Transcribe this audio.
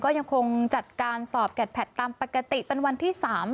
ก็ยังคงจัดการสอบแกดแพทตามปกติเป็นวันที่๓